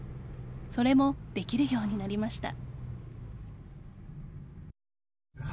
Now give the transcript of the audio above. それも、できるようになりました。